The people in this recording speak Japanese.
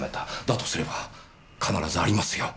だとすれば必ずありますよ。